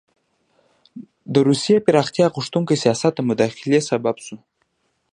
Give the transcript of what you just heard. د روسیې پراختیا غوښتونکي سیاست د مداخلې سبب شو.